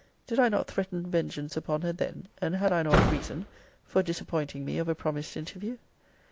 Did I not threaten vengeance upon her then (and had I not reason?) for disappointing me of a promised interview?